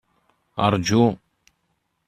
Rju.